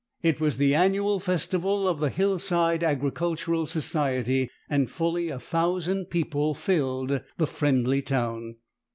It was the annual festival of the Hill side Agricultural Society, and fully a thousand people filled the friendly town.